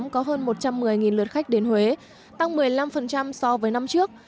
có hơn một trăm một mươi lượt khách đến huế tăng một mươi năm so với năm trước